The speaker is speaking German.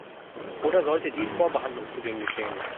Oder sollte dies vor Behandlungsbeginn geschehen?